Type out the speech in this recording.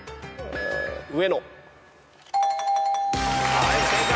はい正解。